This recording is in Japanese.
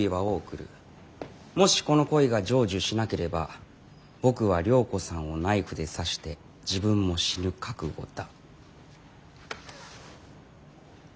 もしこの恋が成就しなければ僕は涼子さんをナイフで刺して自分も死ぬ覚悟だ」。